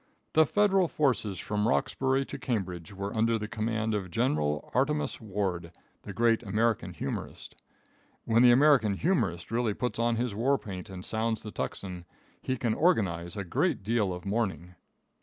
The Federal forces from Roxbury to Cambridge were under command of General Artemus Ward, the great American humorist. When the American humorist really puts on his war paint and sounds the tocsin, he can organize a great deal of mourning.